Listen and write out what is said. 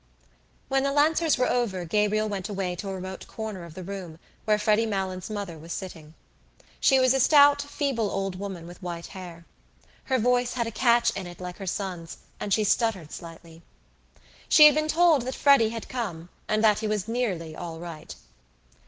When the lancers were over Gabriel went away to a remote corner of the room where Freddy Malins' mother was sitting. She was a stout feeble old woman with white hair. Her voice had a catch in it like her son's and she stuttered slightly. She had been told that Freddy had come and that he was nearly all right.